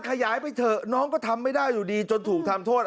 ขยายไปเถอะน้องก็ทำไม่ได้อยู่ดีจนถูกทำโทษ